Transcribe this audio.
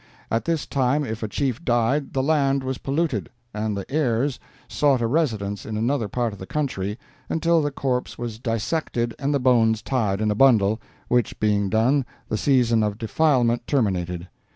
At this time if a chief died the land was polluted, and the heirs sought a residence in another part of the country until the corpse was dissected and the bones tied in a bundle, which being done, the season of defilement terminated.